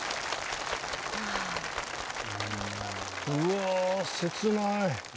うわー切ない。